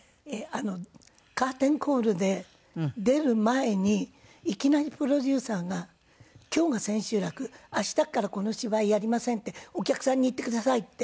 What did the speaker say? あのカーテンコールで出る前にいきなりプロデューサーが「今日が千秋楽」「明日からこの芝居やりませんってお客さんに言ってください」って。